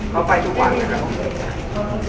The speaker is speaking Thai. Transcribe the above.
เขาไปทุกวันเลยครับ